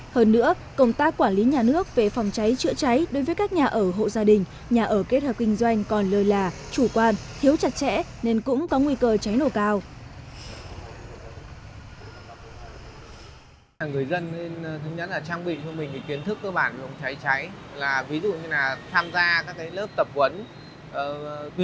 hơn nữa công tác quản lý nhà nước về phòng cháy chữa cháy đối với các nhà ở hộ gia đình nhà ở kết hợp kinh doanh còn lơi là chủ quan thiếu chặt chẽ nên cũng có nguy cơ cháy nổ cát